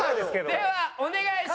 ではお願いします。